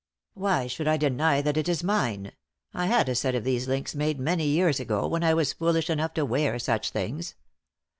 "Why should I deny that it is mine? I had a set of these links made many years ago when I was foolish enough to wear such things.